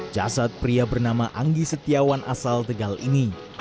jasad pria bernama anggi setiawan asal tegal ini